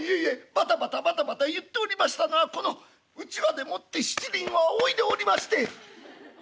バタバタバタバタ言っておりましたのはこのうちわでもってしちりんをあおいでおりまして」。